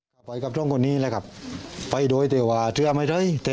แต่ตอนเป็นทับนี้พ่อมีเนื่อง